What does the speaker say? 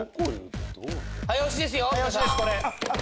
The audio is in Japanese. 早押しですよ！